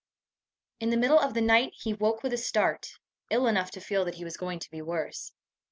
In the middle of the night he woke with a start, ill enough to feel that he was going to be worse.